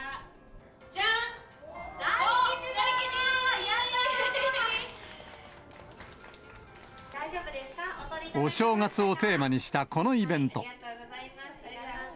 じゃん、お正月をテーマにしたこのイベント。